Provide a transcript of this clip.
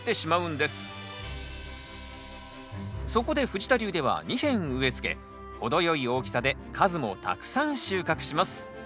そこで藤田流では２片植え付け程よい大きさで数もたくさん収穫します